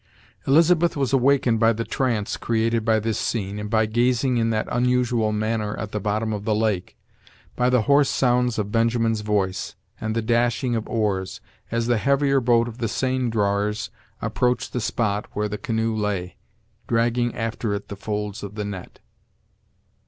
Elizabeth was awakened from the trance created by this scene, and by gazing in that unusual manner at the bot tom of the lake, be the hoarse sounds of Benjamin's voice, and the dashing of oars, as the heavier boat of the seine drawers approached the spot where the canoe lay, dragging after it the folds of the net.